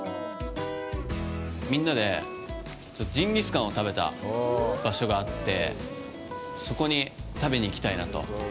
みんなで、ちょっとジンギスカンを食べた場所があってそこに食べに行きたいなと。